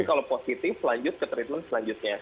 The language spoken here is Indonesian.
kalau positif lanjut ke treatment selanjutnya